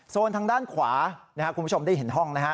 โซนทางด้านขวาคุณผู้ชมได้เห็นห้อง